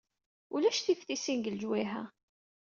Ulac tiftisin deg lejwayeh-a.